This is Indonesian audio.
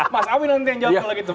mas awi nanti yang jawab kalau gitu